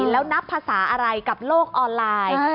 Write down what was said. แล้วนับภาษาอะไรกับโลกออนไลน์